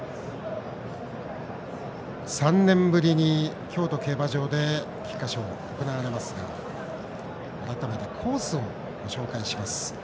３年ぶりに京都競馬場で菊花賞が行われますが改めてコースをご紹介します。